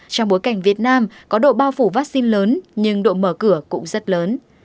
trong bối cảnh việt nam có độ bao phủ vaccine lớn nhưng độ mở cửa cũng rất lớn